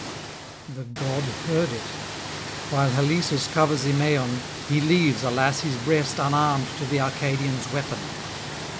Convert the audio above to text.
The god heard it; while Halesus covers Imaon, he leaves, alas! his breast unarmed to the Arcadian's weapon.